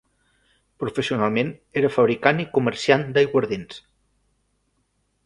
Professionalment era fabricant i comerciant d'aiguardents.